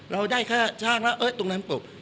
เราได้แค่ช่างแล้วตรงนั้นปลูก